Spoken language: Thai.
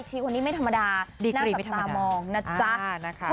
ชีพคนนี้ไม่ธรรมดาดีกรีมไม่ธรรมดาหน้ากลับสามองนะจ๊ะ